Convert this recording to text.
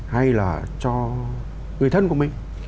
hay là cho người thân của mình